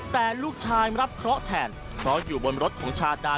แต่ลูกชายมารับเคราะห์แทนเพราะอยู่บนรถของชาดา